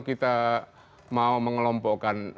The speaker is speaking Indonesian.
kita mau mengelompokkan